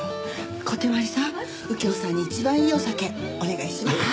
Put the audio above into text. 小手鞠さん右京さんに一番いいお酒お願いします。